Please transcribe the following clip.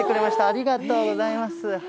ありがとうございます。